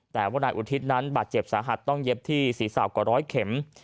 แต่ว่านายอุทิศนั้นบาดเจ็บสาหัสต้องเย็บที่ศีรษะกว่าร้อยเข็ม